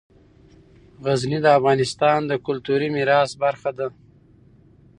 غزني د افغانستان د کلتوري میراث برخه ده.